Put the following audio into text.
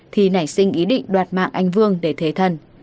thì nảy sinh ý định đoạt mạng anh vương để thế thân